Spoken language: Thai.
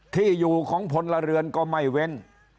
ที่อยู่ของพลเรือนก็ไม่เว้น